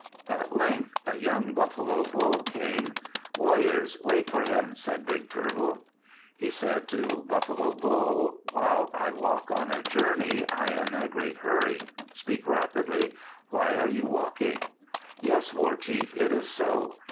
At length a young Buffalo Bull came. "Warriors, wait for him," said Big Turtle. He said to Buffalo Bull, "While I walk on a journey, I am in a great hurry. Speak rapidly. Why are you walking?" "Yes, war chief, it is so.